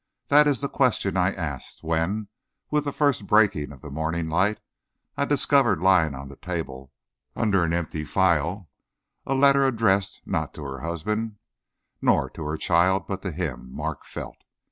That is the question I asked, when, with the first breaking of the morning light, I discovered lying on the table under an empty phial, a letter addressed, not to her husband, nor to her child, but to him, Mark Felt.